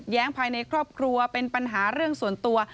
ภายในครอบครัวเป็นปัญหาเรื่องส่วนตัว